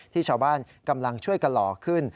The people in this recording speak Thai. ที่ชาวบ้านกำลังช่วยกันหล่อขึ้น